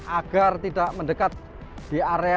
agar tidak mendekat di area